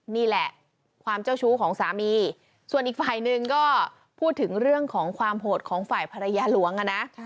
นี่แหละความเจ้าชู้ของสามีส่วนอีกฝ่ายหนึ่งก็พูดถึงเรื่องของความโหดของฝ่ายภรรยาหลวงนะ